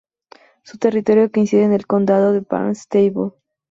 Su territorio coincide con el condado de Barnstable.